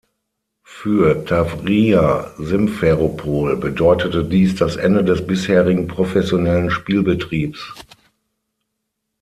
Für Tawrija Simferopol bedeutete dies das Ende des bisherigen professionellen Spielbetriebs.